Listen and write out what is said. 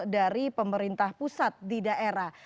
dari pemerintah pusat di daerah